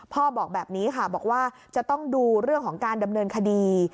บอกแบบนี้ค่ะบอกว่าจะต้องดูเรื่องของการดำเนินคดี